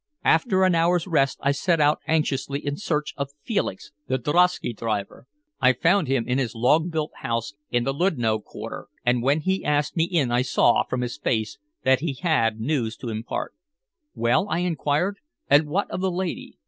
After an hour's rest I set out anxiously in search of Felix, the drosky driver. I found him in his log built house in the Ludno quarter, and when he asked me in I saw, from his face, that he had news to impart. "Well?" I inquired. "And what of the lady?